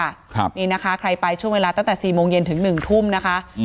ครับนี่นะคะใครไปช่วงเวลาตั้งแต่สี่โมงเย็นถึงหนึ่งทุ่มนะคะอืม